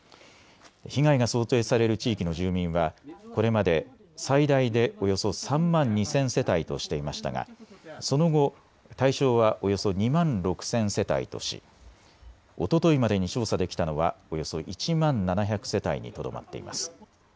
被害が想定される地域の住民はこれまで最大でおよそ３万２０００世帯としていましたがその後、対象はおよそ２万６０００世帯としおとといまでに調査できたのはおよそ１万７００世帯にとどまっています。